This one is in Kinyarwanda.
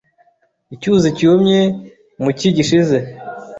Icyuzi cyumye mu cyi gishize.